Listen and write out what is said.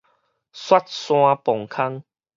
雪山磅空